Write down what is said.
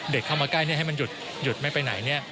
เข้ามาใกล้ให้มันหยุดไม่ไปไหน